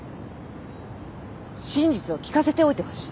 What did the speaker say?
真実を聞かせておいてほしい。